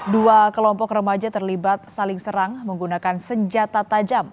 dua kelompok remaja terlibat saling serang menggunakan senjata tajam